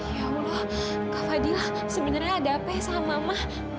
ya allah kak fadilah sebenarnya ada apa ya sama mah